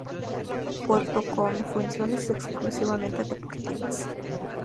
Puerto con funciones exclusivamente deportivas.